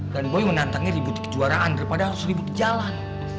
dan gue menantangnya ribut di kejuaraan daripada harus ribut di jalan